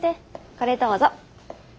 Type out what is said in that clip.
これどうぞ。